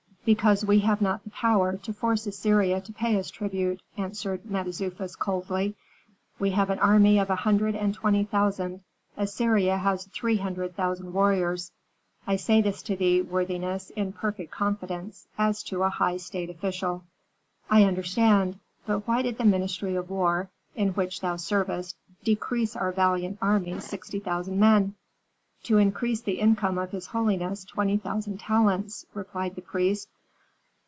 "Because we have not the power to force Assyria to pay us tribute," answered Mentezufis, coldly. "We have an army of a hundred and twenty thousand, Assyria has three hundred thousand warriors. I say this to thee, worthiness, in perfect confidence, as to a high state official." "I understand. But why did the ministry of war, in which thou servest, decrease our valiant army sixty thousand men?" "To increase the income of his holiness twenty thousand talents," replied the priest.